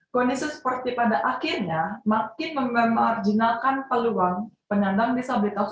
kondisi seperti pada akhirnya makin memarjinalkan peluang penyandang disabilitas